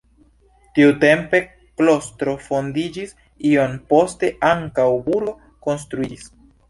Tiutempe klostro fondiĝis, iom poste ankaŭ burgo konstruiĝis.